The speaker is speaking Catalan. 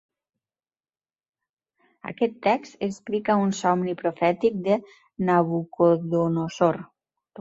Aquest text explica un somni profètic de Nabucodonosor.